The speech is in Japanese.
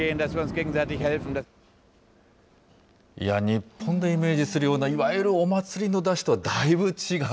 日本でイメージするような、いわゆるお祭りの山車とはだいぶ違う。